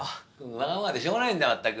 わがままでしょうがないんだ全く。